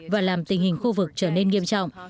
và làm tình hình khu vực trở nên nghiêm trọng